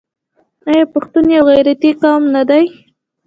آیا پښتون یو غیرتي قوم نه دی؟